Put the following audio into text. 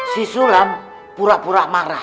sisulam pura pura marah